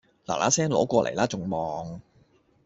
嗱嗱聲攞過黎啦仲望